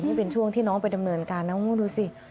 นี่เป็นช่วงที่น้องไปดำเนินการนะดูสิ